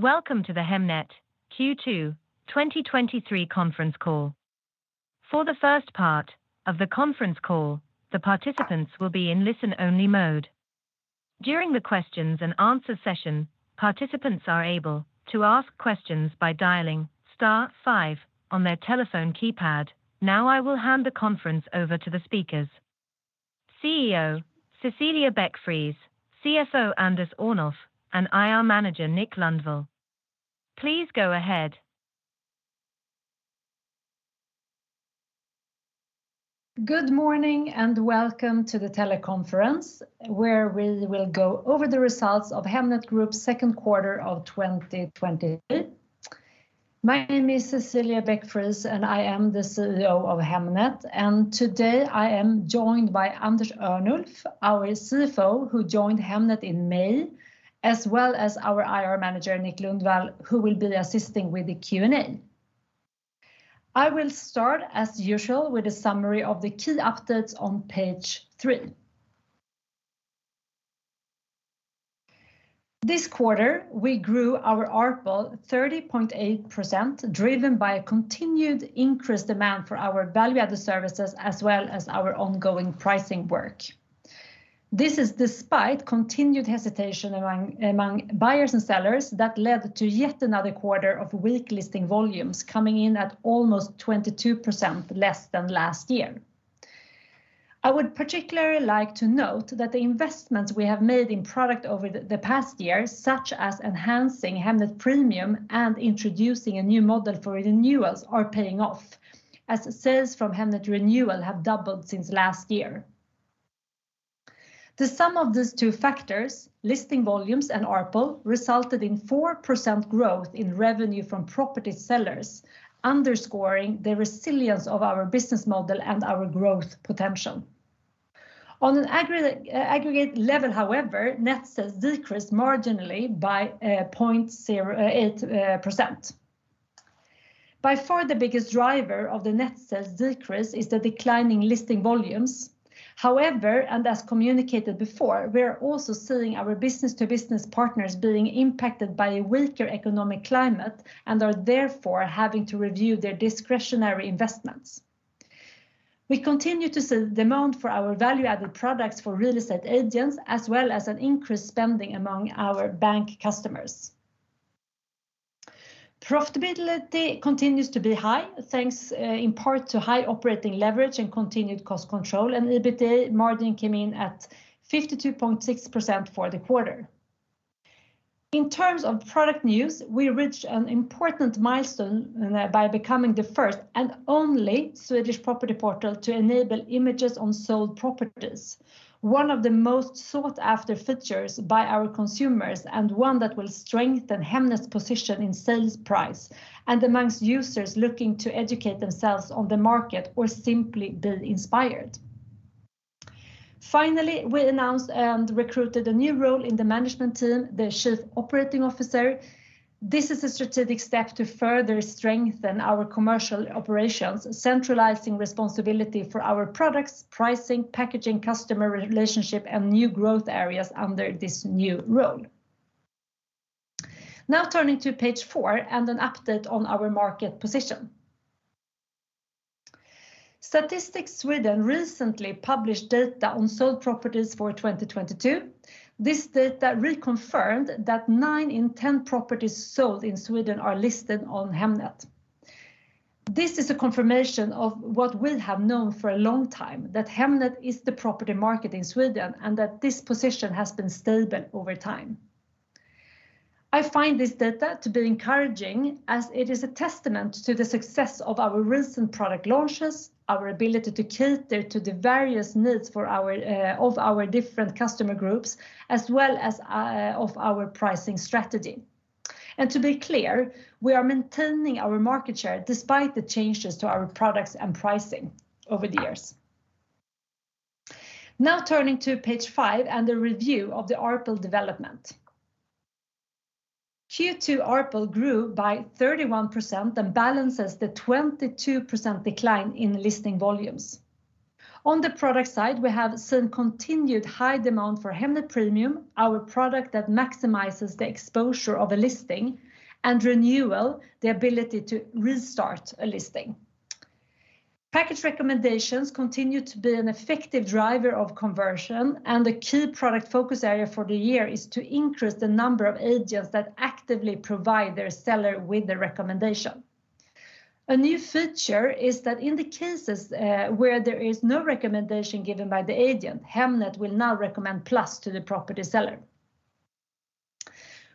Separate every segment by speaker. Speaker 1: Welcome to the Hemnet Q2 2023 conference call. For the first part of the conference call, the participants will be in listen-only mode. During the questions-and-answer session, participants are able to ask questions by dialing star five on their telephone keypad. I will hand the conference over to the speakers, CEO Cecilia Beck-Friis, CFO Anders Örnulf, and IR Manager Nick Lundvall. Please go ahead.
Speaker 2: Good morning. Welcome to the teleconference, where we will go over the results of Hemnet Group's second quarter of 2023. My name is Cecilia Beck-Friis, and I am the CEO of Hemnet, and today I am joined by Anders Örnulf, our CFO, who joined Hemnet in May, as well as our IR Manager, Nick Lundvall, who will be assisting with the Q&A. I will start, as usual, with a summary of the key updates on page three. This quarter, we grew our ARPL 30.8%, driven by a continued increased demand for our value-added services, as well as our ongoing pricing work. This is despite continued hesitation among buyers and sellers that led to yet another quarter of weak listing volumes, coming in at almost 22% less than last year. I would particularly like to note that the investments we have made in product over the past year, such as enhancing Hemnet Premium and introducing a new model for renewals, are paying off, as sales from Hemnet Renewal have doubled since last year. The sum of these two factors, listing volumes and ARPL, resulted in 4% growth in revenue from property sellers, underscoring the resilience of our business model and our growth potential. On an aggregate level, however, net sales decreased marginally by 0.08%. By far, the biggest driver of the net sales decrease is the declining listing volumes. However, and as communicated before, we are also seeing our business-to-business partners being impacted by a weaker economic climate, and are therefore having to review their discretionary investments. We continue to see demand for our value-added products for real estate agents, as well as an increased spending among our bank customers. Profitability continues to be high, thanks, in part to high operating leverage and continued cost control. EBITDA margin came in at 52.6% for the quarter. In terms of product news, we reached an important milestone, by becoming the first and only Swedish property portal to enable images on sold properties, one of the most sought-after features by our consumers, and one that will strengthen Hemnet's position in sales price, and amongst users looking to educate themselves on the market or simply be inspired. Finally, we announced and recruited a new role in the management team, the Chief Operating Officer. This is a strategic step to further strengthen our commercial operations, centralizing responsibility for our products, pricing, packaging, customer relationship, and new growth areas under this new role. Turning to page four, and an update on our market position. Statistics Sweden recently published data on sold properties for 2022. This data reconfirmed that nine in 10 properties sold in Sweden are listed on Hemnet. This is a confirmation of what we have known for a long time, that Hemnet is the property market in Sweden, and that this position has been stable over time. I find this data to be encouraging, as it is a testament to the success of our recent product launches, our ability to cater to the various needs of our different customer groups, as well as of our pricing strategy. To be clear, we are maintaining our market share despite the changes to our products and pricing over the years. Turning to page five, and a review of the ARPL development. Q2 ARPL grew by 31%, and balances the 22% decline in listing volumes. On the product side, we have seen continued high demand for Hemnet Premium, our product that maximizes the exposure of a listing, and Renewal, the ability to restart a listing. Package recommendations continue to be an effective driver of conversion, and the key product focus area for the year is to increase the number of agents that actively provide their seller with the recommendation. A new feature is that in the cases where there is no recommendation given by the agent, Hemnet will now recommend Plus to the property seller.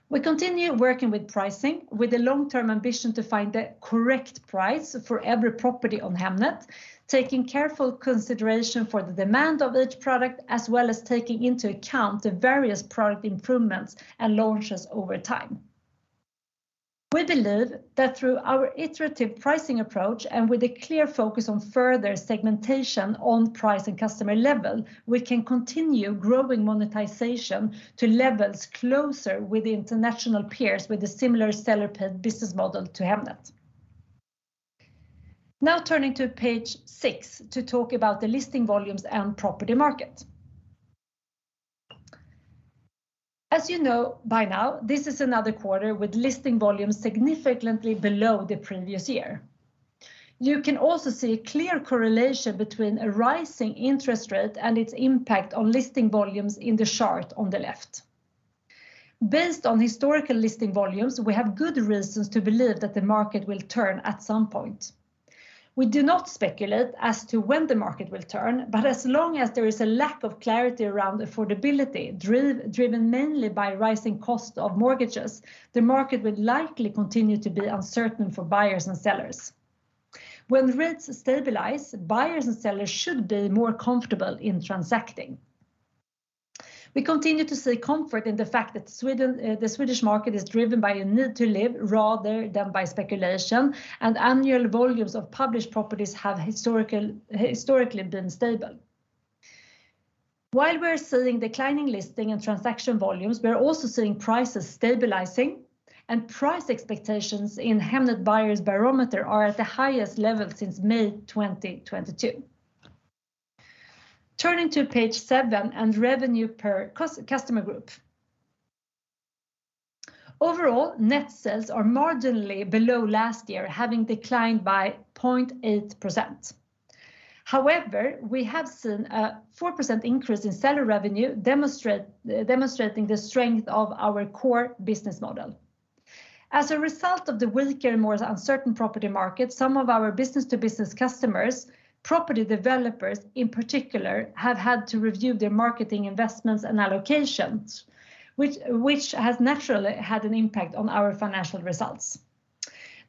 Speaker 2: We continue working with pricing, with a long-term ambition to find the correct price for every property on Hemnet, taking careful consideration for the demand of each product, as well as taking into account the various product improvements and launches over time. We believe that through our iterative pricing approach, and with a clear focus on further segmentation on price and customer level, we can continue growing monetization to levels closer with international peers with a similar seller-paid business model to Hemnet. Turning to page six to talk about the listing volumes and property market. As you know by now, this is another quarter with listing volumes significantly below the previous year. You can also see a clear correlation between a rising interest rate and its impact on listing volumes in the chart on the left. Based on historical listing volumes, we have good reasons to believe that the market will turn at some point. We do not speculate as to when the market will turn, but as long as there is a lack of clarity around affordability, driven mainly by rising cost of mortgages, the market will likely continue to be uncertain for buyers and sellers. When rates stabilize, buyers and sellers should be more comfortable in transacting. We continue to see comfort in the fact that Sweden, the Swedish market is driven by a need to live, rather than by speculation, and annual volumes of published properties have historically been stable. While we're seeing declining listing and transaction volumes, we're also seeing prices stabilizing, and price expectations in Hemnet buyer's barometer are at the highest level since May 2022. Turning to page seven, and revenue per customer group. Overall, net sales are marginally below last year, having declined by 0.8%. We have seen a 4% increase in seller revenue, demonstrating the strength of our core business model. As a result of the weaker, more uncertain property market, some of our business-to-business customers, property developers in particular, have had to review their marketing investments and allocations, which has naturally had an impact on our financial results.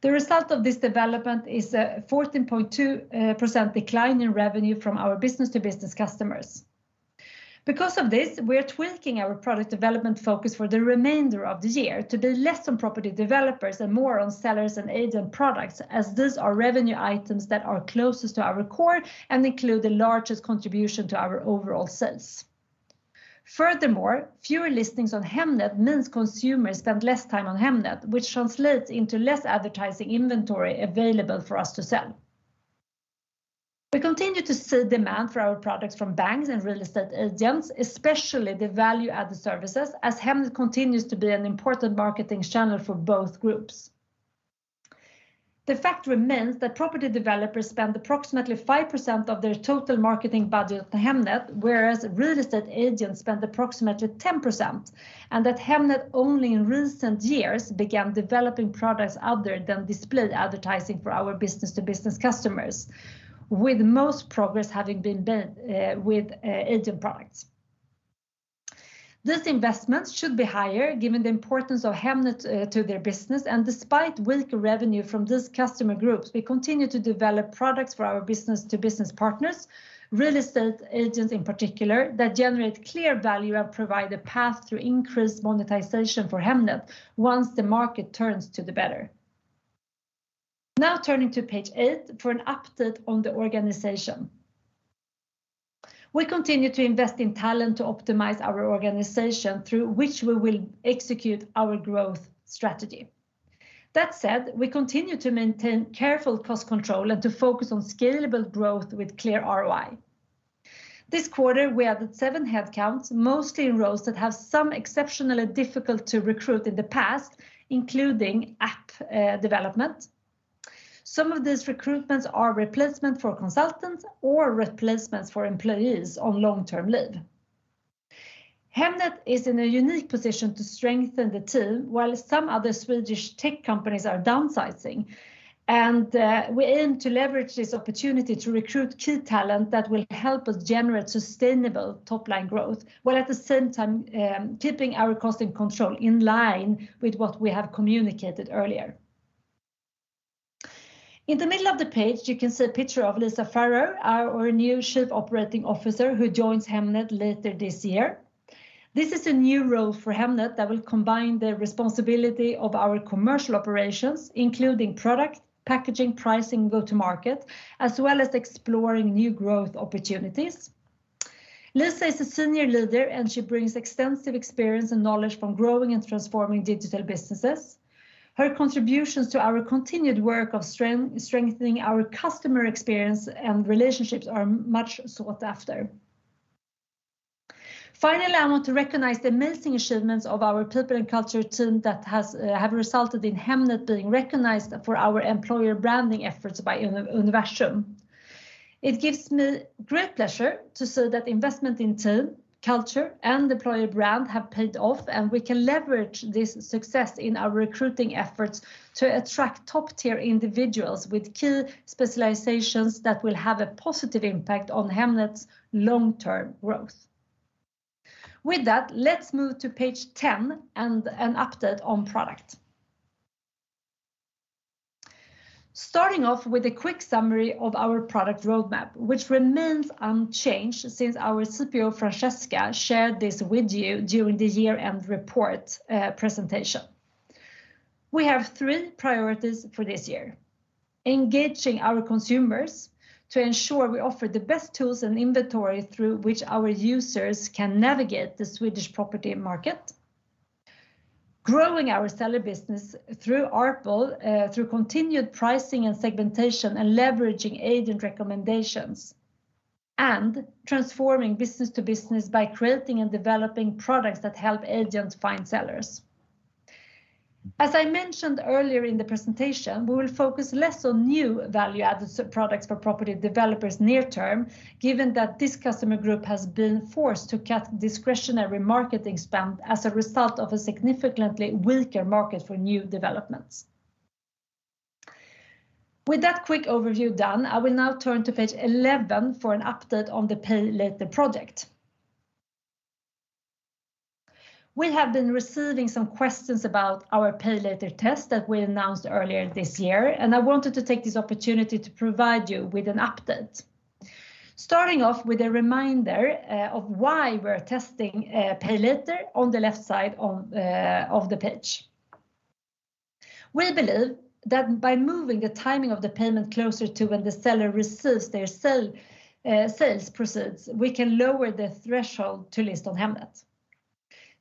Speaker 2: The result of this development is a 14.2% decline in revenue from our business-to-business customers. We are tweaking our product development focus for the remainder of the year to be less on property developers and more on sellers and agent products, as these are revenue items that are closest to our core and include the largest contribution to our overall sales. Furthermore, fewer listings on Hemnet means consumers spend less time on Hemnet, which translates into less advertising inventory available for us to sell. We continue to see demand for our products from banks and real estate agents, especially the value-added services, as Hemnet continues to be an important marketing channel for both groups. The fact remains that property developers spend approximately 5% of their total marketing budget on Hemnet, whereas real estate agents spend approximately 10%, and that Hemnet only in recent years began developing products other than display advertising for our business-to-business customers, with most progress having been done with agent products. These investments should be higher given the importance of Hemnet to their business. Despite weaker revenue from this customer groups, we continue to develop products for our business-to-business partners, real estate agents in particular, that generate clear value and provide a path through increased monetization for Hemnet once the market turns to the better. Turning to page eight for an update on the organization. We continue to invest in talent to optimize our organization, through which we will execute our growth strategy. That said, we continue to maintain careful cost control and to focus on scalable growth with clear ROI. This quarter, we added seven headcounts, mostly in roles that have some exceptionally difficult to recruit in the past, including app development. Some of these recruitments are replacement for consultants or replacements for employees on long-term leave. Hemnet is in a unique position to strengthen the team, while some other Swedish tech companies are downsizing, and we aim to leverage this opportunity to recruit key talent that will help us generate sustainable top-line growth, while at the same time, keeping our cost in control in line with what we have communicated earlier. In the middle of the page, you can see a picture of Lisa Farrar, our new Chief Operating Officer, who joins Hemnet later this year. This is a new role for Hemnet that will combine the responsibility of our commercial operations, including product, packaging, pricing, go-to-market, as well as exploring new growth opportunities. Lisa is a senior leader, and she brings extensive experience and knowledge from growing and transforming digital businesses. Her contributions to our continued work of strengthening our customer experience and relationships are much sought after. Finally, I want to recognize the amazing achievements of our people and culture team that have resulted in Hemnet being recognized for our employer branding efforts by Universum. It gives me great pleasure to say that investment in team, culture, and employer brand have paid off. We can leverage this success in our recruiting efforts to attract top-tier individuals with key specializations that will have a positive impact on Hemnet's long-term growth. With that, let's move to page 10 and an update on product. Starting off with a quick summary of our product roadmap, which remains unchanged since our CPO, Francesca, shared this with you during the year-end report presentation. We have three priorities for this year: engaging our consumers to ensure we offer the best tools and inventory through which our users can navigate the Swedish property market. Growing our seller business through ARPL, through continued pricing and segmentation, and leveraging agent recommendations, and transforming business to business by creating and developing products that help agents find sellers. As I mentioned earlier in the presentation, we will focus less on new value-added products for property developers near term, given that this customer group has been forced to cut discretionary marketing spend as a result of a significantly weaker market for new developments. With that quick overview done, I will now turn to page 11 for an update on the pay-later project. We have been receiving some questions about our pay-later test that we announced earlier this year, and I wanted to take this opportunity to provide you with an update. Starting off with a reminder of why we're testing pay-later on the left side of the page. We believe that by moving the timing of the payment closer to when the seller receives their sell, sales proceeds, we can lower the threshold to list on Hemnet.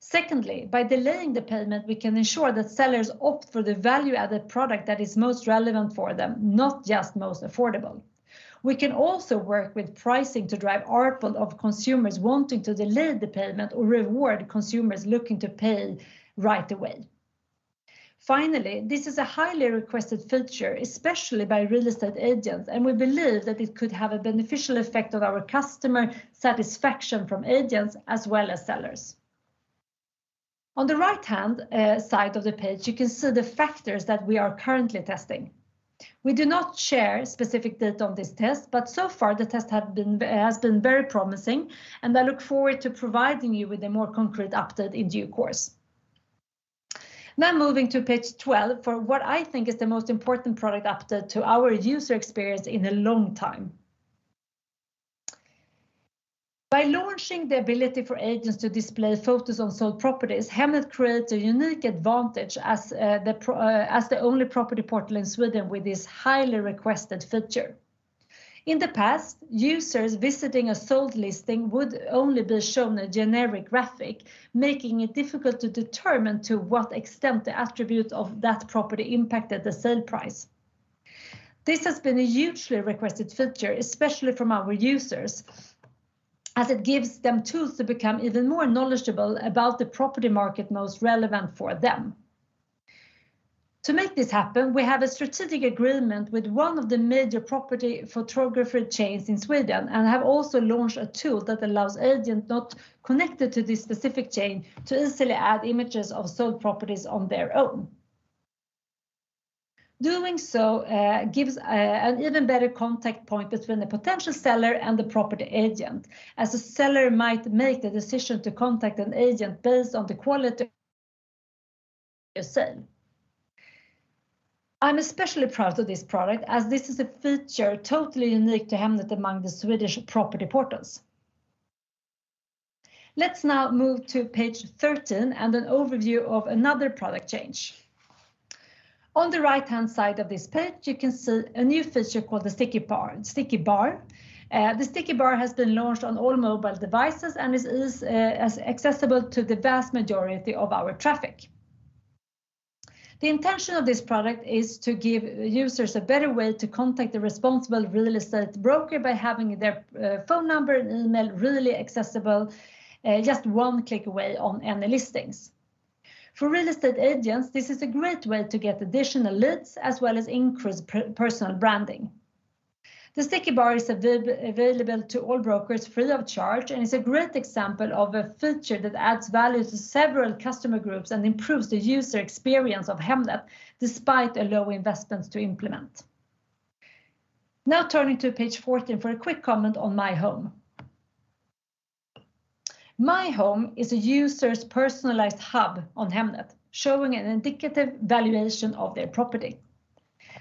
Speaker 2: Secondly, by delaying the payment, we can ensure that sellers opt for the value-added product that is most relevant for them, not just most affordable. We can also work with pricing to drive ARPL of consumers wanting to delay the payment, or reward consumers looking to pay right away. Finally, this is a highly requested feature, especially by real estate agents, and we believe that it could have a beneficial effect on our customer satisfaction from agents as well as sellers. On the right-hand side of the page, you can see the factors that we are currently testing. We do not share specific data on this test, so far the test has been very promising. I look forward to providing you with a more concrete update in due course. Moving to page 12, for what I think is the most important product update to our user experience in a long time. By launching the ability for agents to display photos on sold properties, Hemnet creates a unique advantage as the only property portal in Sweden with this highly requested feature. In the past, users visiting a sold listing would only be shown a generic graphic, making it difficult to determine to what extent the attributes of that property impacted the sale price. This has been a hugely requested feature, especially from our users, as it gives them tools to become even more knowledgeable about the property market most relevant for them. To make this happen, we have a strategic agreement with one of the major property photographer chains in Sweden, and have also launched a tool that allows agents not connected to this specific chain to easily add images of sold properties on their own. Doing so, gives an even better contact point between the potential seller and the property agent, as the seller might make the decision to contact an agent based on the quality of sale. I'm especially proud of this product, as this is a feature totally unique to Hemnet among the Swedish property portals. Let's now move to page 13, and an overview of another product change. On the right-hand side of this page, you can see a new feature called the sticky bar. The sticky bar has been launched on all mobile devices, and is accessible to the vast majority of our traffic. The intention of this product is to give users a better way to contact the responsible real estate broker by having their phone number and email really accessible, just one click away on any listings. For real estate agents, this is a great way to get additional leads, as well as increase personal branding. The sticky bar is available to all brokers free of charge, and is a great example of a feature that adds value to several customer groups, and improves the user experience of Hemnet, despite a low investment to implement. Now, turning to page 14 for a quick comment on My Home. My Home is a user's personalized hub on Hemnet, showing an indicative valuation of their property.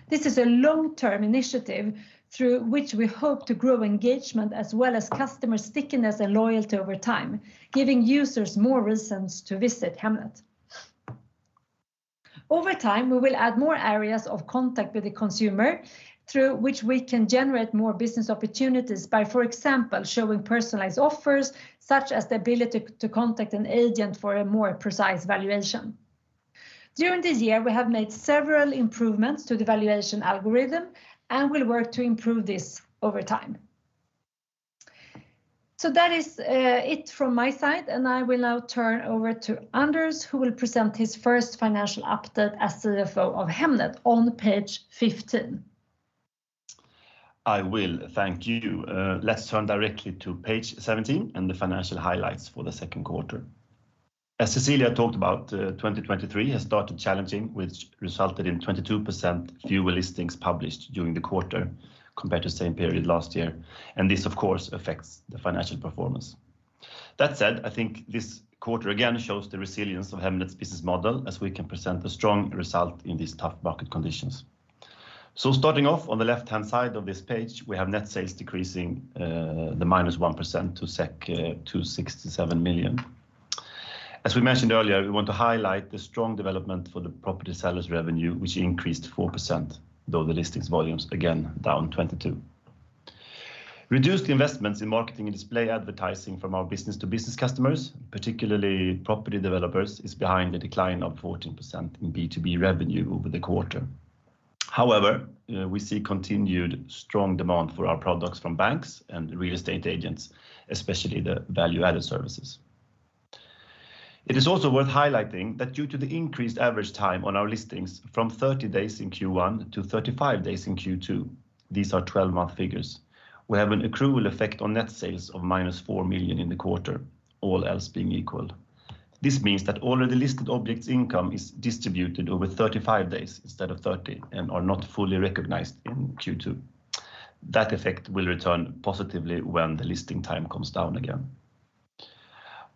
Speaker 2: This is a long-term initiative through which we hope to grow engagement, as well as customer stickiness and loyalty over time, giving users more reasons to visit Hemnet. Over time, we will add more areas of contact with the consumer, through which we can generate more business opportunities by, for example, showing personalized offers, such as the ability to contact an agent for a more precise valuation. During this year, we have made several improvements to the valuation algorithm, and will work to improve this over time. That is it from my side, and I will now turn over to Anders, who will present his first financial update as the CFO of Hemnet on page 15.
Speaker 3: I will, thank you. Let's turn directly to page 17, and the financial highlights for the second quarter. As Cecilia talked about, 2023 has started challenging, which resulted in 22% fewer listings published during the quarter, compared to the same period last year. This, of course, affects the financial performance. That said, I think this quarter again shows the resilience of Hemnet's business model, as we can present a strong result in these tough market conditions. Starting off on the left-hand side of this page, we have net sales decreasing -1% to 267 million. As we mentioned earlier, we want to highlight the strong development for the property sellers revenue, which increased 4%, though the listings volumes, again, down 22.... Reduced investments in marketing and display advertising from our business-to-business customers, particularly property developers, is behind the decline of 14% in B2B revenue over the quarter. However, we see continued strong demand for our products from banks and real estate agents, especially the value-added services. It is also worth highlighting that due to the increased average time on our listings from 30 days in Q1 to 35 days in Q2, these are 12-month figures. We have an accrual effect on net sales of minus 4 million in the quarter, all else being equal. This means that all of the listed objects' income is distributed over 35 days instead of 30 and are not fully recognized in Q2. That effect will return positively when the listing time comes down again.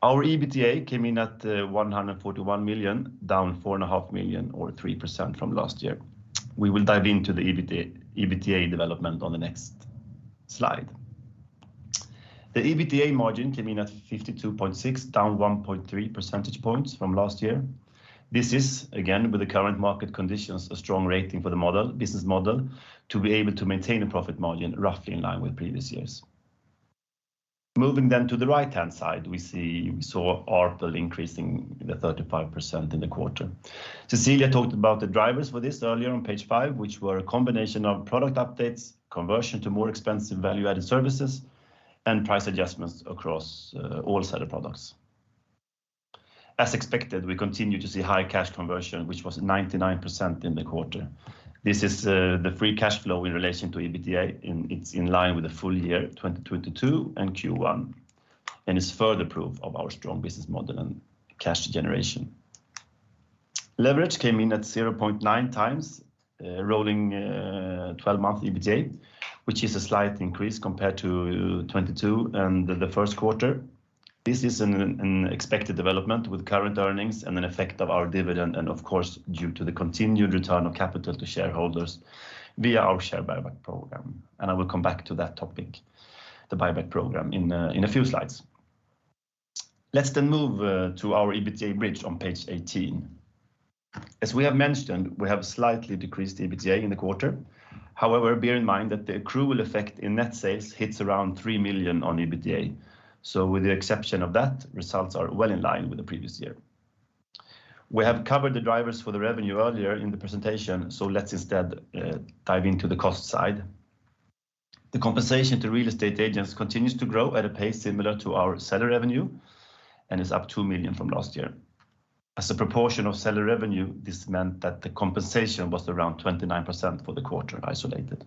Speaker 3: Our EBITDA came in at 141 million, down 4.5 million, or 3% from last year. We will dive into the EBITDA development on the next slide. The EBITDA margin came in at 52.6, down 1.3 percentage points from last year. This is, again, with the current market conditions, a strong rating for the model, business model, to be able to maintain a profit margin roughly in line with previous years. Moving then to the right-hand side, we saw ARPL increasing 35% in the quarter. Cecilia talked about the drivers for this earlier on page five, which were a combination of product updates, conversion to more expensive value-added services, and price adjustments across all set of products. As expected, we continue to see high cash conversion, which was 99% in the quarter. This is the free cash flow in relation to EBITDA. It's in line with the full year 2022 and Q1, and is further proof of our strong business model and cash generation. Leverage came in at 0.9x rolling 12-month EBITDA, which is a slight increase compared to 2022 and the first quarter. This is an expected development with current earnings and an effect of our dividend, of course, due to the continued return of capital to shareholders via our share buyback program. I will come back to that topic, the buyback program, in a few slides. Let's move to our EBITDA bridge on page 18. As we have mentioned, we have slightly decreased EBITDA in the quarter. However, bear in mind that the accrual effect in net sales hits around 3 million on EBITDA. With the exception of that, results are well in line with the previous year. We have covered the drivers for the revenue earlier in the presentation, let's instead dive into the cost side. The compensation to real estate agents continues to grow at a pace similar to our seller revenue and is up 2 million from last year. As a proportion of seller revenue, this meant that the compensation was around 29% for the quarter, isolated.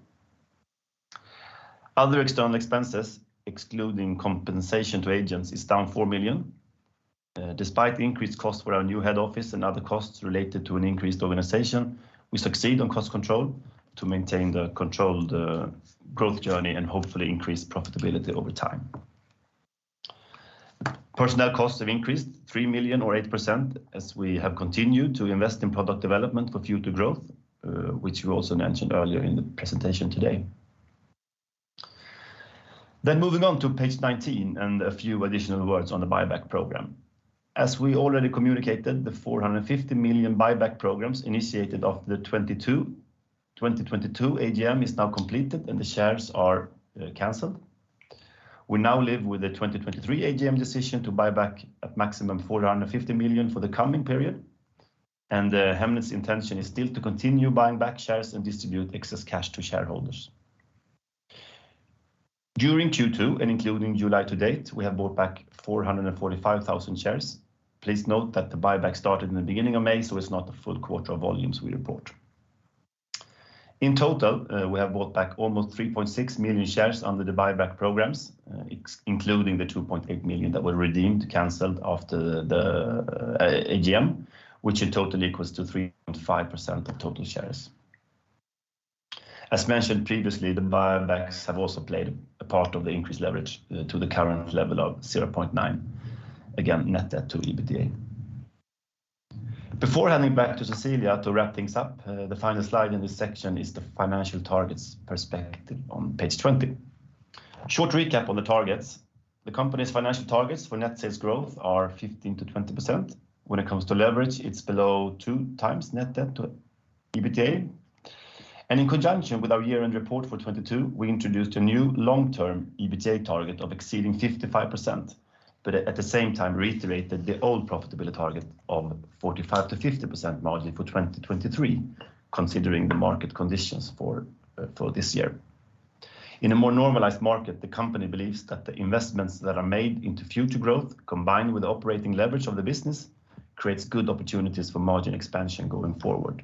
Speaker 3: Other external expenses, excluding compensation to agents, is down 4 million. Despite the increased cost for our new head office and other costs related to an increased organization, we succeed on cost control to maintain the controlled growth journey and hopefully increase profitability over time. Personnel costs have increased 3 million, or 8%, as we have continued to invest in product development for future growth, which we also mentioned earlier in the presentation today. Moving on to page 19 and a few additional words on the buyback program. As we already communicated, the 450 million buyback programs initiated after the 2022 AGM is now completed, and the shares are canceled. We now live with the 2023 AGM decision to buy back at maximum 450 million for the coming period, and Hemnet's intention is still to continue buying back shares and distribute excess cash to shareholders. During Q2, and including July-to-date, we have bought back 445,000 shares. Please note that the buyback started in the beginning of May, it's not the full quarter of volumes we report. In total, we have bought back almost 3.6 million shares under the buyback programs, including the 2.8 million that were redeemed, canceled after the AGM, which in total equals to 3.5% of total shares. As mentioned previously, the buybacks have also played a part of the increased leverage to the current level of 0.9, again, net debt to EBITDA. Before handing back to Cecilia to wrap things up, the final slide in this section is the financial targets perspective on page 20. Short recap on the targets. The company's financial targets for net sales growth are 15%-20%. When it comes to leverage, it's below 2x net debt to EBITDA. In conjunction with our year-end report for 2022, we introduced a new long-term EBITDA target of exceeding 55%, but at the same time, reiterated the old profitability target of 45%-50% margin for 2023, considering the market conditions for this year. In a more normalized market, the company believes that the investments that are made into future growth, combined with the operating leverage of the business, creates good opportunities for margin expansion going forward.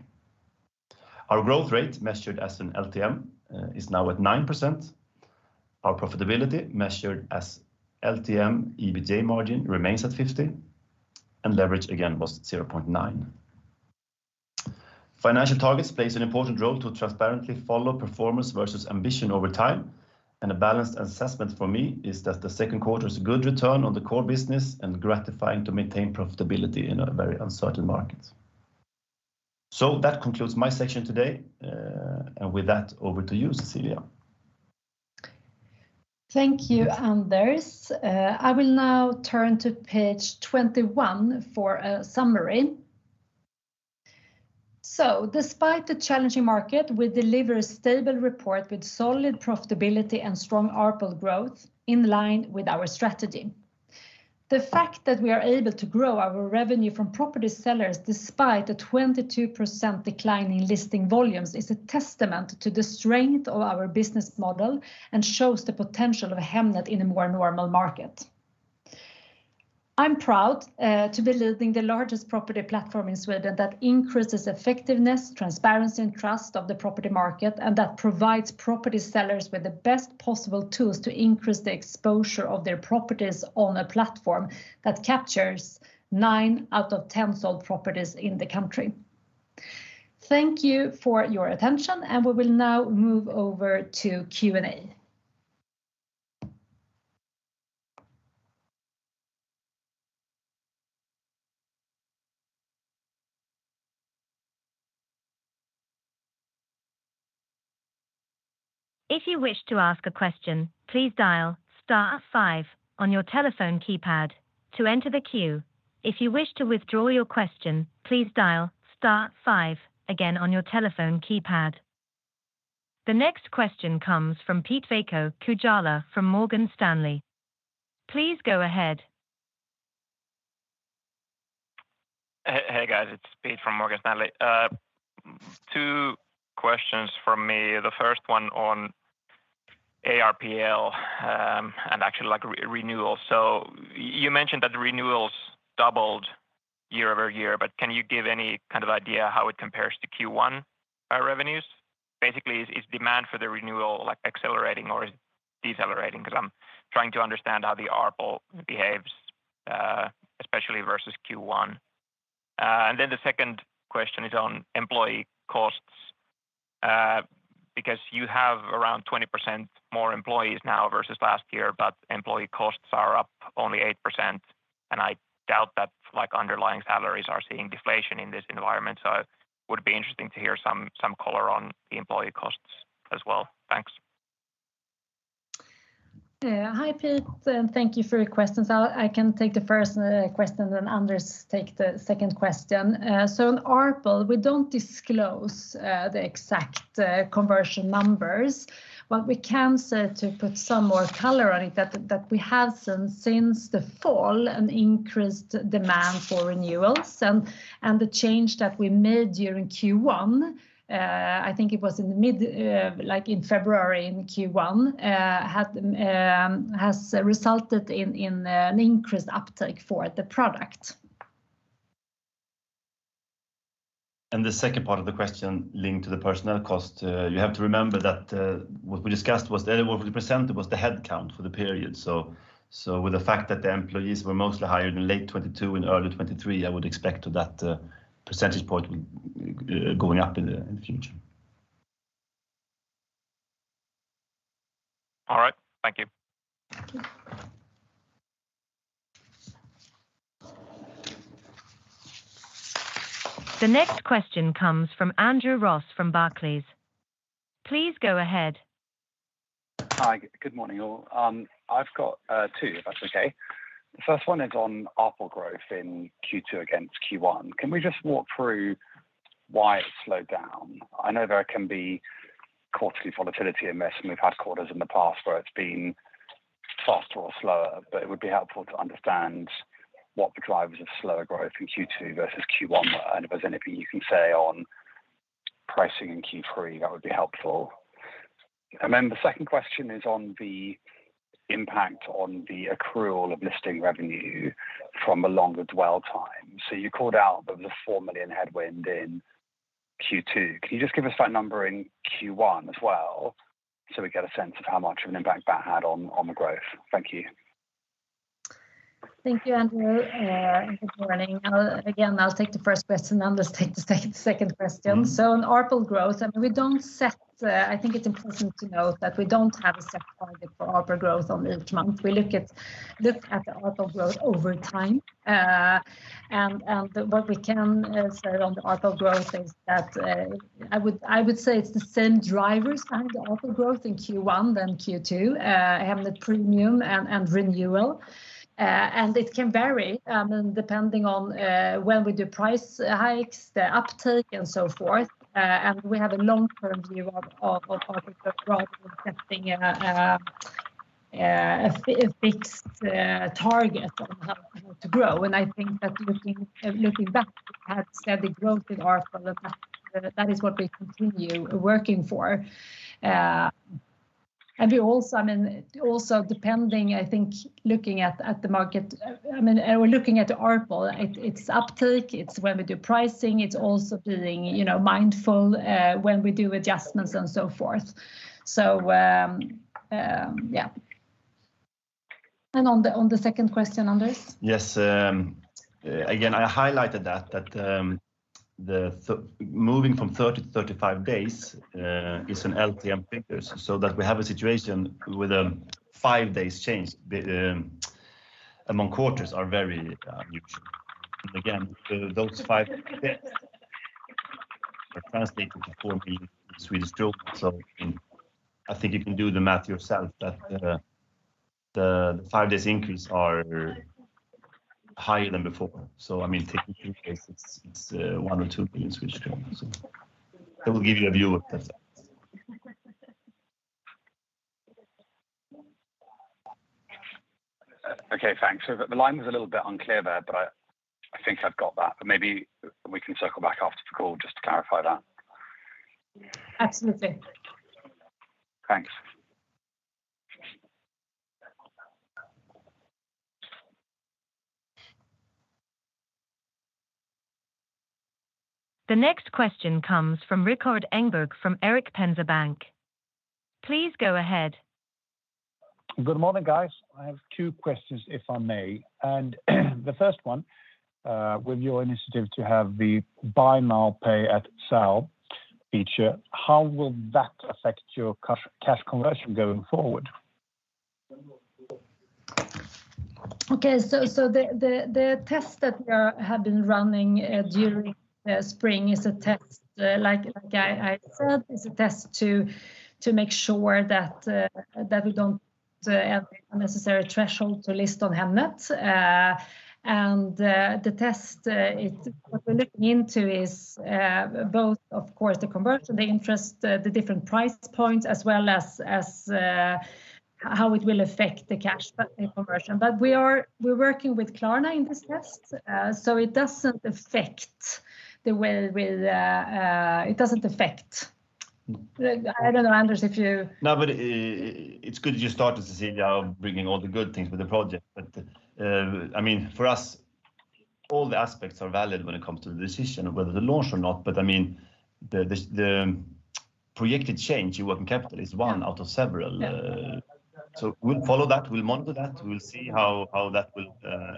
Speaker 3: Our growth rate, measured as an LTM, is now at 9%. Our profitability, measured as LTM EBITDA margin, remains at 50%, and leverage, again, was 0.9x. Financial targets plays an important role to transparently follow performance versus ambition over time, and a balanced assessment for me is that the second quarter is a good return on the core business and gratifying to maintain profitability in a very uncertain market. That concludes my section today, and with that, over to you, Cecilia.
Speaker 2: Thank you, Anders. I will now turn to page 21 for a summary. Despite the challenging market, we deliver a stable report with solid profitability and strong ARPL growth in line with our strategy. The fact that we are able to grow our revenue from property sellers despite a 22% decline in listing volumes, is a testament to the strength of our business model, and shows the potential of Hemnet in a more normal market. I'm proud to be leading the largest property platform in Sweden that increases effectiveness, transparency, and trust of the property market, and that provides property sellers with the best possible tools to increase the exposure of their properties on a platform that captures nine out of 10 sold properties in the country. Thank you for your attention, we will now move over to Q&A.
Speaker 1: If you wish to ask a question, please dial star five on your telephone keypad to enter the queue. If you wish to withdraw your question, please dial star five again on your telephone keypad. The next question comes from Pete-Veikko Kujala from Morgan Stanley. Please go ahead.
Speaker 4: Hey, hey, guys, it's Pete from Morgan Stanley. Two questions from me. The first one on ARPL, and actually, like, Renewal. You mentioned that the renewals doubled year-over-year, but can you give any kind of idea how it compares to Q1 revenues? Basically, is demand for the Renewal, like, accelerating or decelerating? 'Cause I'm trying to understand how the ARPL behaves, especially versus Q1. The second question is on employee costs. Because you have around 20% more employees now versus last year, but employee costs are up only 8%, and I doubt that, like, underlying salaries are seeing deflation in this environment. It would be interesting to hear some color on the employee costs as well. Thanks.
Speaker 2: Hi, Pete, thank you for your questions. I can take the first question, Anders take the second question. On ARPL, we don't disclose the exact conversion numbers, but we can say, to put some more color on it, that we have some since the fall, an increased demand for renewals. The change that we made during Q1, I think it was in the mid, like, in February, in Q1, had has resulted in an increased uptake for the product.
Speaker 3: The second part of the question linked to the personnel cost, you have to remember that what we discussed was that 80% was the headcount for the period. With the fact that the employees were mostly hired in late 2022 and early 2023, I would expect that percentage point going up in the future.
Speaker 4: All right. Thank you.
Speaker 2: Thank you.
Speaker 1: The next question comes from Andrew Ross from Barclays. Please go ahead.
Speaker 5: Hi, good morning, all. I've got, two, if that's okay. The first one is on ARPL growth in Q2 against Q1. Can we just walk through why it slowed down? I know there can be quarterly volatility in this, and we've had quarters in the past where it's been faster or slower, but it would be helpful to understand what the drivers of slower growth in Q2 versus Q1 were. If there's anything you can say on pricing in Q3, that would be helpful. The second question is on the impact on the accrual of listing revenue from a longer dwell time. You called out the 4 million headwind in Q2. Can you just give us that number in Q1 as well, so we get a sense of how much of an impact that had on the growth? Thank you.
Speaker 2: Thank you, Andrew, good morning. I'll again take the first question, then let's take the second question.
Speaker 3: Mm-hmm.
Speaker 2: On ARPL growth, and we don't set. I think it's important to note that we don't have a set target for ARPL growth on each month. We look at the ARPL growth over time. What we can say on the ARPL growth is that it's the same drivers behind the ARPL growth in Q1 than Q2, Hemnet Premium and Renewal. It can vary, and depending on when we do price hikes, the uptake, and so forth. We have a long-term view of our market rather than setting a fixed target on how to grow. I think that looking back, we've had steady growth in ARPL, and that is what we continue working for. We also, I mean, also, depending, I think, looking at the market, I mean, we're looking at the ARPL, its uptake. It's when we do pricing, it's also being, you know, mindful, when we do adjustments, and so forth. Yeah. On the, on the second question, Anders?
Speaker 3: Yes, I highlighted that, moving from 30 to 35 days, is an LTM figures, so that we have a situation with five days change among quarters are very neutral. Those five days are translated to 4 million, so I think you can do the math yourself, that the five days increase are higher than before. In case it's 1 billion or 2 billion Swedish kronor. That will give you a view of the effects.
Speaker 5: Okay, thanks. The line was a little bit unclear there, but I think I've got that. Maybe we can circle back after the call just to clarify that.
Speaker 2: Absolutely.
Speaker 5: Thanks.
Speaker 1: The next question comes from Rikard Engberg, from Erik Penser Bank. Please go ahead.
Speaker 6: Good morning, guys. I have two questions, if I may. The first one, with your initiative to have the buy now, pay at sale feature, how will that affect your cash conversion going forward?
Speaker 2: Okay, so the test that we have been running during spring is a test, like I said, to make sure that we don't have unnecessary threshold to list on Hemnet. The test, what we're looking into is both of course, the conversion, the interest, the different price points, as well as how it will affect the cash conversion. We're working with Klarna in this test. It doesn't affect the way with. I don't know, Anders, if you-
Speaker 3: No, it's good you start to Cecilia, of bringing all the good things with the project. I mean, for us, all the aspects are valid when it comes to the decision of whether to launch or not. I mean, the projected change in working capital is one out of several. Yeah. We'll follow that, we'll monitor that. We'll see how that will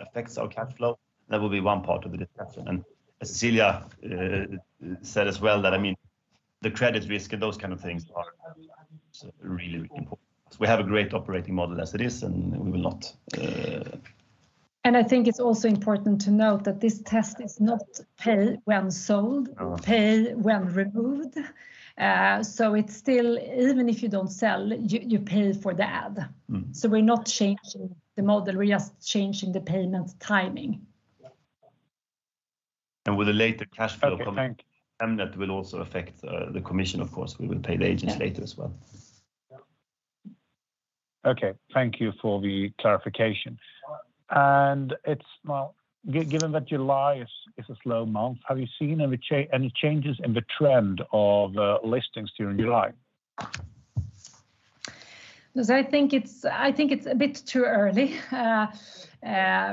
Speaker 3: affects our cash flow. That will be one part of the discussion. Cecilia said as well, that, I mean, the credit risk and those kind of things are also really, really important. We have a great operating model as it is, and we will not.
Speaker 2: I think it's also important to note that this test is not pay when sold.
Speaker 3: No...
Speaker 2: pay when removed. It's still, even if you don't sell, you pay for the ad.
Speaker 3: Mm.
Speaker 2: We're not changing the model, we're just changing the payment timing.
Speaker 3: With a later cash flow coming.
Speaker 6: Okay, thank you.
Speaker 3: Hemnet will also affect, the commission, of course, we will pay the agents later as well.
Speaker 6: Okay, thank you for the clarification. It's, well, given that July is a slow month, have you seen any changes in the trend of listings during July?
Speaker 2: Yes, I think it's a bit too early.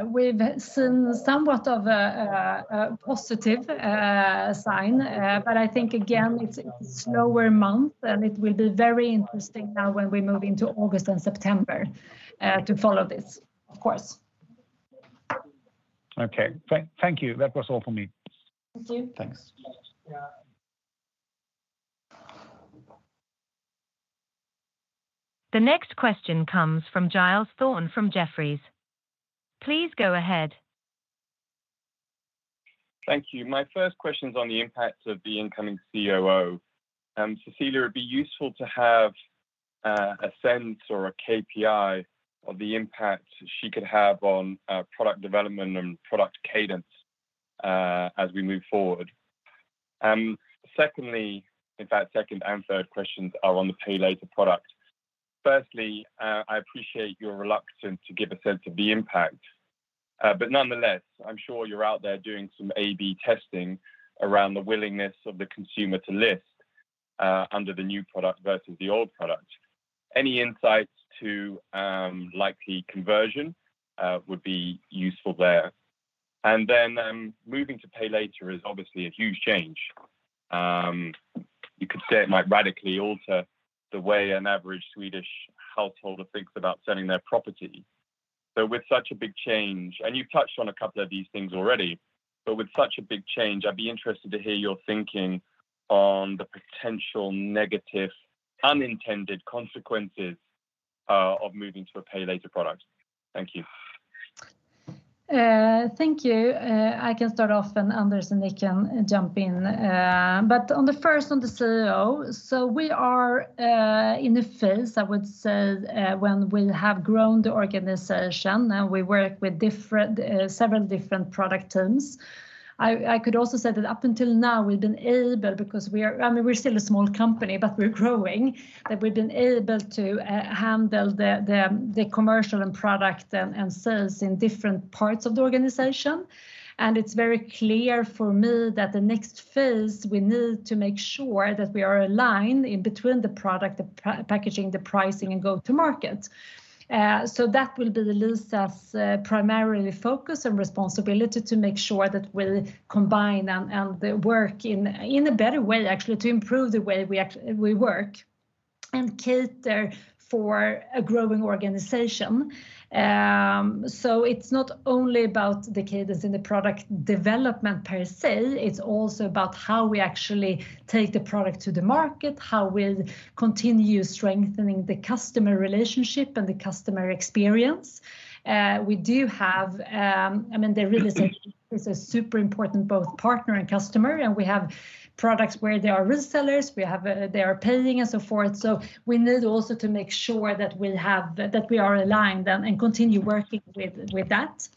Speaker 2: We've seen somewhat of a positive sign. I think again, it's a slower month, and it will be very interesting now when we move into August and September to follow this, of course.
Speaker 6: Okay. Thank you. That was all for me.
Speaker 2: Thank you.
Speaker 3: Thanks.
Speaker 1: The next question comes from Giles Thorne, from Jefferies. Please go ahead.
Speaker 7: Thank you. My first question's on the impact of the incoming COO. Cecilia, it would be useful to have a sense or a KPI of the impact she could have on product development and product cadence as we move forward. Secondly, in fact, second and third questions are on the pay-later product. Firstly, I appreciate your reluctance to give a sense of the impact, nonetheless, I'm sure you're out there doing some A/B testing around the willingness of the consumer to list under the new product versus the old product. Any insights to likely conversion would be useful there. Then, moving to pay-later is obviously a huge change. You could say it might radically alter the way an average Swedish householder thinks about selling their property. With such a big change, and you've touched on a couple of these things already, but with such a big change, I'd be interested to hear your thinking on the potential negative unintended consequences of moving to a pay-later product. Thank you.
Speaker 2: Thank you. I can start off, and Anders and Nick can jump in. But on the first, on the COO, so we are in a phase, I would say, when we have grown the organization, and we work with several different product teams. I could also say that up until now, we've been able, because we are, I mean, we're still a small company, but we're growing, that we've been able to handle the commercial and product and sales in different parts of the organization. It's very clear for me that the next phase, we need to make sure that we are aligned in between the product, the packaging, the pricing, and go to market. That will be Lisa's primarily focus and responsibility to make sure that we combine and work in a better way, actually, to improve the way we work, and cater for a growing organization. It's not only about the cadence in the product development per se, it's also about how we actually take the product to the market, how we'll continue strengthening the customer relationship and the customer experience. We do have, I mean, the real estate is a super important both partner and customer, and we have products where there are resellers, we have, they are paying and so forth. We need also to make sure that we'll have that we are aligned and continue working with that.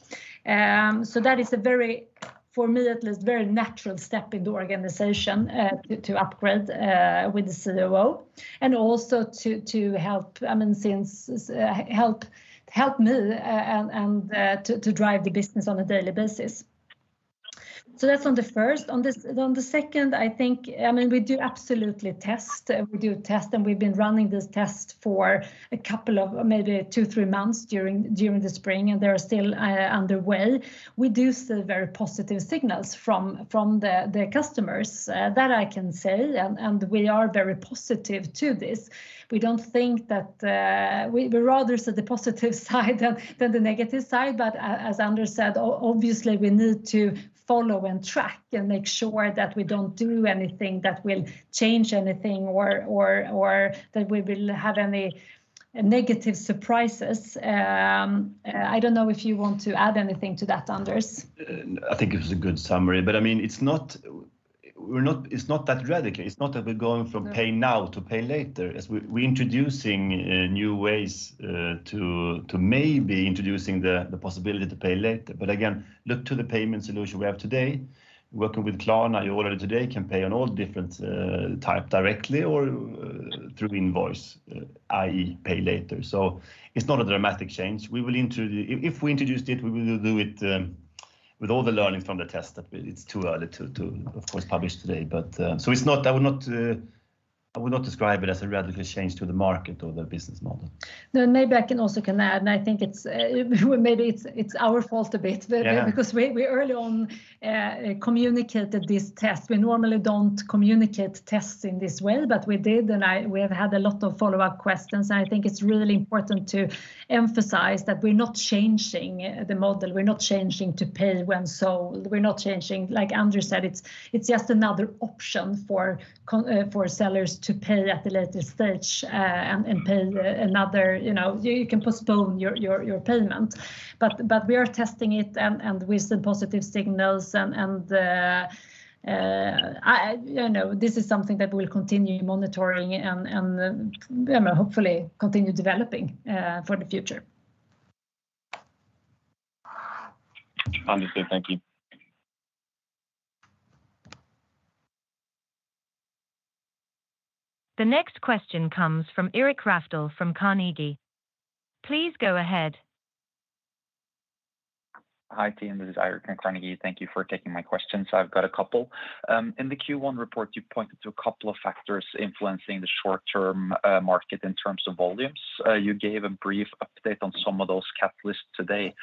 Speaker 2: That is a very, for me, at least, very natural step in the organization, to upgrade with the COO and also to help me and to drive the business on a daily basis. That's on the first. On the second, we do absolutely test. We do test, and we've been running this test for a couple of maybe two, three months during the spring, and they are still underway. We do see very positive signals from the customers that I can say, and we are very positive to this. We don't think that. We rather see the positive side than the negative side. As Anders said, obviously, we need to follow and track and make sure that we don't do anything that will change anything or that we will have any negative surprises. I don't know if you want to add anything to that, Anders.
Speaker 3: I think it was a good summary, I mean, it's not that radical. It's not that we're going from...
Speaker 2: No
Speaker 3: pay now to pay-later. As we're introducing new ways to maybe introducing the possibility to pay-later. Again, look to the payment solution we have today. Working with Klarna, you already today can pay on all different type, directly or through invoice, i.e., pay-later. It's not a dramatic change. If we introduced it, we will do it with all the learnings from the test that it's too early to of course publish today. It's not, I would not describe it as a radical change to the market or the business model.
Speaker 2: maybe I can also add, and I think it's, maybe it's our fault a bit.
Speaker 3: Yeah...
Speaker 2: because we early on communicated this test. We normally don't communicate tests in this way, but we did, and we have had a lot of follow-up questions, and I think it's really important to emphasize that we're not changing the model. We're not changing to pay when sold. We're not changing... Like Anders said, it's just another option for sellers to pay at a later stage, and pay another, you know, you can postpone your payment. We are testing it, and we see positive signals, and I, you know, this is something that we'll continue monitoring and hopefully continue developing for the future.
Speaker 5: Understood. Thank you.
Speaker 1: The next question comes from Eirik Rafdal from Carnegie. Please go ahead.
Speaker 8: Hi, team. This is Eirik from Carnegie. Thank you for taking my questions. I've got a couple. In the Q1 report, you pointed to a couple of factors influencing the short-term market in terms of volumes. You gave a brief update on some of those catalysts today,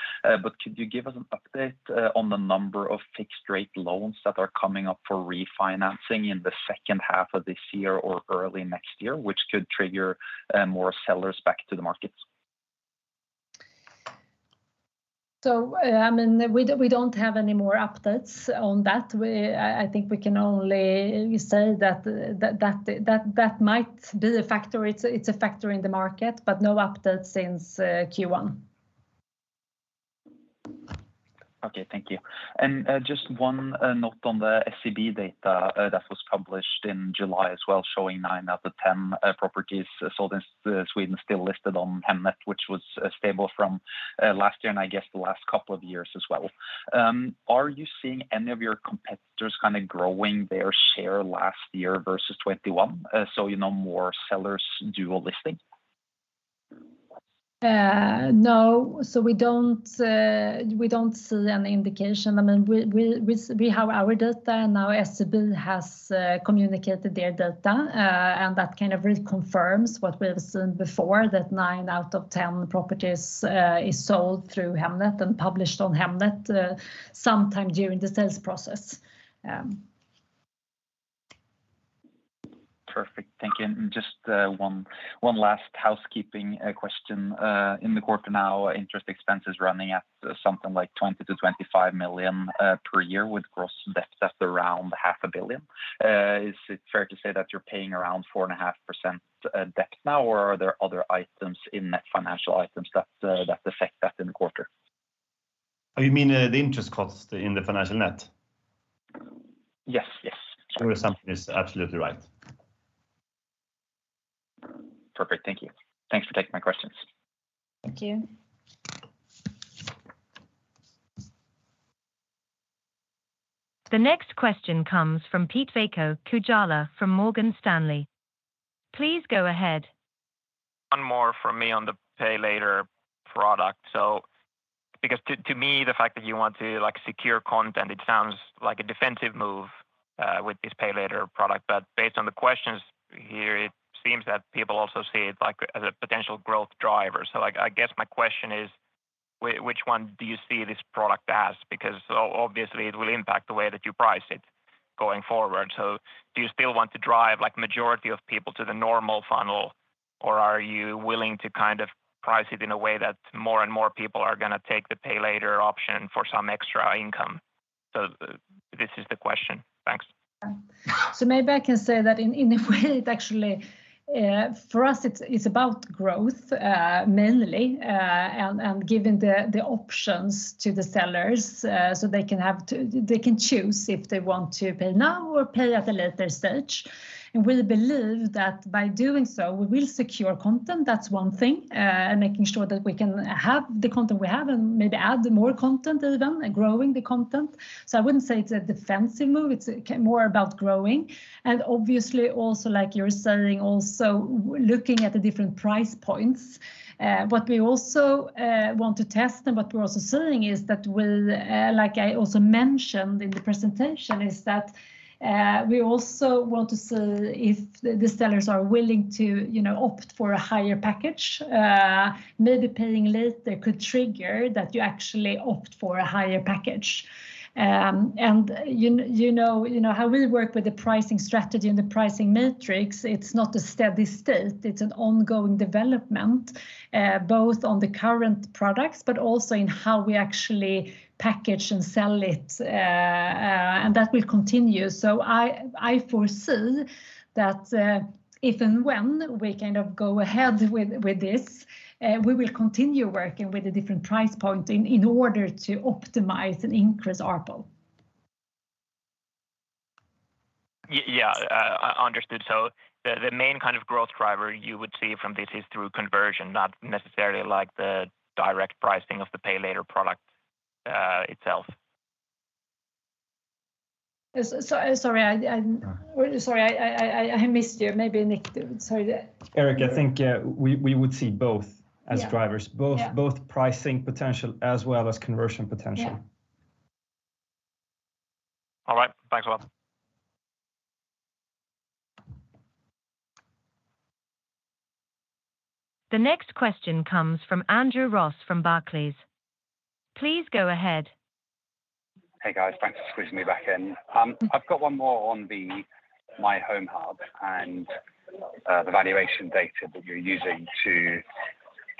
Speaker 8: could you give us an update on the number of fixed rate loans that are coming up for refinancing in the second half of this year or early next year, which could trigger more sellers back to the markets?
Speaker 2: I mean, we don't have any more updates on that. I think we can only say that might be a factor. It's a factor in the market, but no update since Q1.
Speaker 8: Okay, thank you. Just one note on the SCB data that was published in July as well, showing nine out of 10 properties sold in Sweden, still listed on Hemnet, which was stable from last year, and I guess the last couple of years as well. Are you seeing any of your competitors kind of growing their share last year versus 2021, so, you know, more sellers do a listing?
Speaker 2: No. We don't see any indication. I mean, we have our data, and now SCB has communicated their data, and that kind of reconfirms what we have seen before, that nine out of 10 properties is sold through Hemnet and published on Hemnet sometime during the sales process.
Speaker 8: Perfect. Thank you. Just one last housekeeping question. In the quarter now, interest expense is running at something like 20 million-25 million per year, with gross debt at around 500 million. Is it fair to say that you're paying around 4.5% debt now, or are there other items in net financial items that affect that in the quarter?
Speaker 3: Oh, you mean, the interest costs in the financial net?
Speaker 8: Yes. Yes.
Speaker 3: Your assumption is absolutely right.
Speaker 8: Perfect. Thank you. Thanks for taking my questions.
Speaker 2: Thank you.
Speaker 1: The next question comes from Pete-Veikko Kujala from Morgan Stanley. Please go ahead.
Speaker 4: One more from me on the pay-later product. To me, the fact that you want to, like, secure content, it sounds like a defensive move with this pay-later product. Based on the questions here, it seems that people also see it, like, as a potential growth driver. Like, I guess my question is, which one do you see this product as? Obviously, it will impact the way that you price it going forward. Do you still want to drive, like, majority of people to the normal funnel, or are you willing to kind of price it in a way that more and more people are going to take the pay-later option for some extra income? This is the question. Thanks.
Speaker 2: Maybe I can say that in a way, it actually, for us, it's about growth, mainly, and giving the options to the sellers, so they can choose if they want to pay now or pay at a later stage. We believe that by doing so, we will secure content, that's one thing. And making sure that we can have the content we have and maybe add more content to them and growing the content. I wouldn't say it's a defensive move, it's more about growing, and obviously also, like you're saying, also looking at the different price points. What we also want to test and what we're also seeing is that we'll, like I also mentioned in the presentation, is that we also want to see if the sellers are willing to, you know, opt for a higher package. Maybe paying later could trigger that you actually opt for a higher package. You know, you know how we work with the pricing strategy and the pricing matrix, it's not a steady state, it's an ongoing development, both on the current products, but also in how we actually package and sell it, and that will continue. I foresee that if and when we kind of go ahead with this, we will continue working with the different price point in order to optimize and increase ARPU.
Speaker 4: Yeah, understood. The main kind of growth driver you would see from this is through conversion, not necessarily like the direct pricing of the pay-later product itself?
Speaker 2: Sorry, I missed you. Maybe Nick, sorry.
Speaker 9: Eirik, I think, we would see both-
Speaker 2: Yeah...
Speaker 9: as drivers.
Speaker 2: Yeah.
Speaker 9: Both pricing potential as well as conversion potential.
Speaker 2: Yeah.
Speaker 4: All right. Thanks a lot.
Speaker 1: The next question comes from Andrew Ross, from Barclays. Please go ahead.
Speaker 5: Hey, guys, thanks for squeezing me back in. I've got one more on the, My Home hub and, the valuation data that you're using to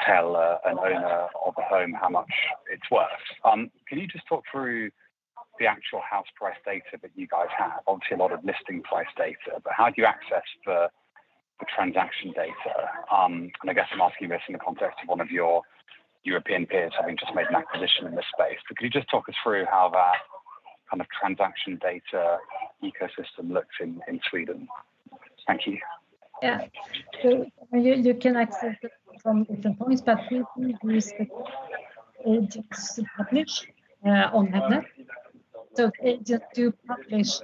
Speaker 5: tell, an owner of a home how much it's worth. Can you just talk through the actual house price data that you guys have? Obviously, a lot of listing price data, but how do you access the transaction data? I guess I'm asking this in the context of one of your European peers, having just made an acquisition in this space. Could you just talk us through how that kind of transaction data ecosystem looks in Sweden? Thank you.
Speaker 2: Yeah. You can access it from different points, but we think we use the agents to publish on Hemnet. Agent to publish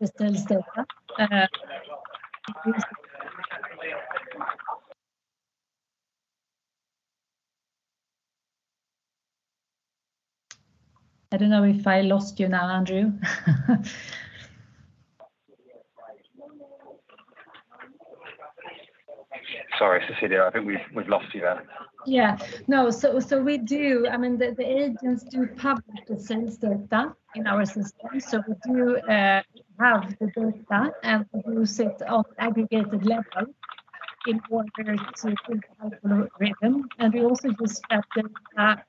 Speaker 2: the sales data, I don't know if I lost you now, Andrew.
Speaker 5: Sorry, Cecilia, I think we've lost you there.
Speaker 2: Yeah. No, so we do. I mean, the agents do publish the sales data in our system. We do have the data and use it on aggregated level in order to build algorithm. We also use that data,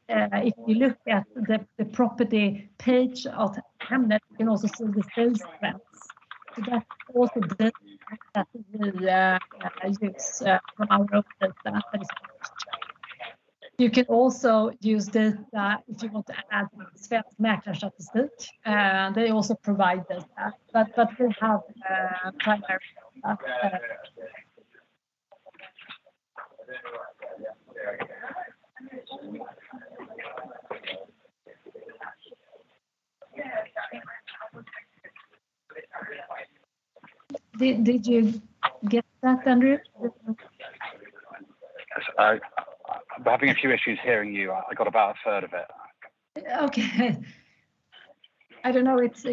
Speaker 2: if you look at the property page of Hemnet, you can also see the sales trends. That's also data that we use from our own data. You can also use data if you want to add Svensk Mäklarstatistik, they also provide data. But we have primary data. Did you get that, Andrew?
Speaker 5: Yes, I'm having a few issues hearing you. I got about a third of it.
Speaker 2: Okay. I don't know, it's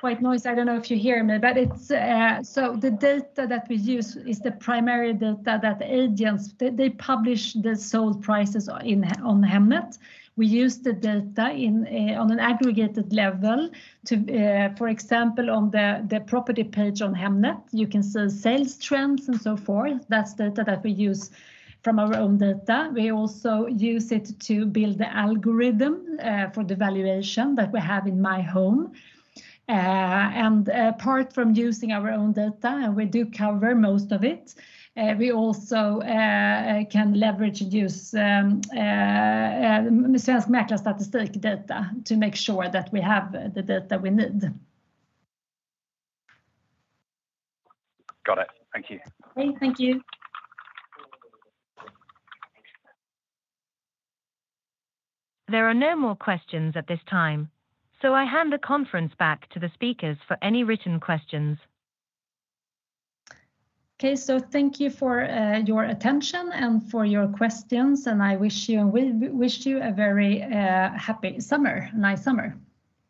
Speaker 2: quite noisy. I don't know if you hear me, but it's... The data that we use is the primary data that agents, they publish the sold prices in, on Hemnet. We use the data on an aggregated level to, for example, on the property page on Hemnet, you can see sales trends and so forth. That's data that we use from our own data. We also use it to build the algorithm for the valuation that we have in My Home. Apart from using our own data, and we do cover most of it, we also can leverage, use Svensk Mäklarstatistik data, to make sure that we have the data we need.
Speaker 5: Got it. Thank you.
Speaker 2: Okay. Thank you.
Speaker 1: There are no more questions at this time. I hand the conference back to the speakers for any written questions.
Speaker 2: Okay. Thank you for your attention and for your questions, and we wish you a very happy summer, nice summer.